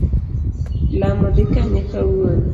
lamo dhi kanye kawuono.